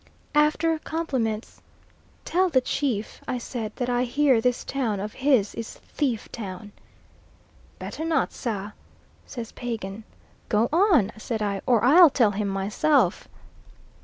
After compliments, "Tell the chief," I said, "that I hear this town of his is thief town." "Better not, sir," says Pagan. "Go on," said I, "or I'll tell him myself."